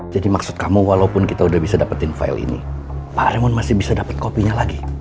jadi maksud kamu walaupun kita udah bisa dapetin file ini pak raymond masih bisa dapet copy nya lagi